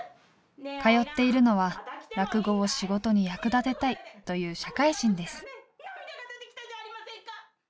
通っているのは落語を仕事に役立てたいという社会人です。